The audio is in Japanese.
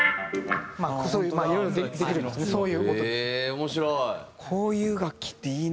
面白い！